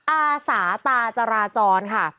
อาสาตาจราจรค่ะ